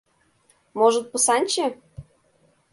Можыт, Пысанче?